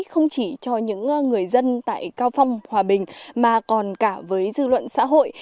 không chỉ cho những người dân tại cao phong hòa bình mà còn cả với dư luận xã hội